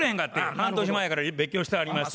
半年前から別居してはりまして。